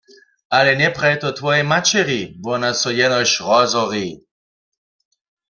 Ale njepraj to twojej maćeri, wona so jenož rozhori.